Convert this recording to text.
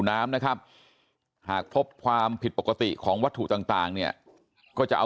น้ำนะครับหากพบความผิดปกติของวัตถุต่างเนี่ยก็จะเอา